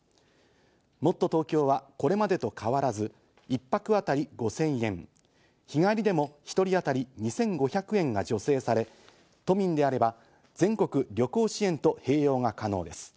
もっとＴｏｋｙｏはこれまでと変わらず１泊あたり５０００円、日帰りでも１人当たり２５００円が助成され、都民であれば全国旅行支援と併用が可能です。